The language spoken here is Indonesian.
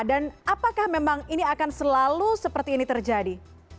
dan apakah memang ini akan selalu seperti ini terjadi